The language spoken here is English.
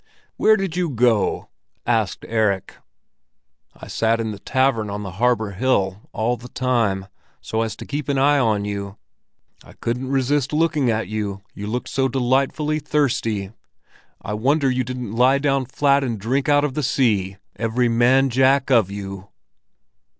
"Where did you go?" asked Erik. "I sat in the tavern on the harbor hill all the time, so as to keep an eye on you; I couldn't resist looking at you, you looked so delightfully thirsty. I wonder you didn't lie down flat and drink out of the sea, every man Jack of you!"